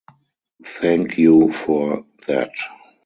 Thank you for that.